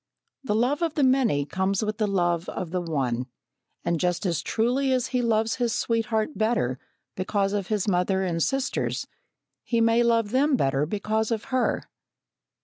The love of the many comes with the love of the one, and just as truly as he loves his sweetheart better because of his mother and sisters, he may love them better because of her.